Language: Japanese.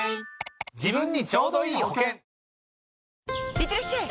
いってらっしゃい！